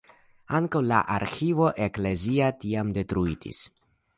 Ankaŭ la arĥivo eklezia tiam detruitis.